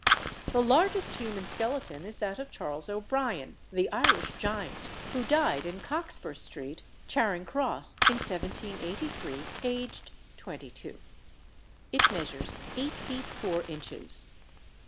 The largest human skeleton is that of Charles O'Brien, the Irish giant, who died in Cockspur Street, Charing Cross, in 1783, aged twenty two. It measures eight feet four inches.